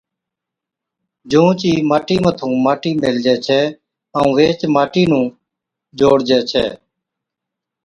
جھُونچ ئِي ماٽِي مٿُون ماٽِي ميلهجَي ڇَي ائُون ويهچ ماٽِي نُون جوڙجَي ڇَي